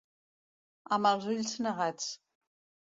Amb els ulls negats.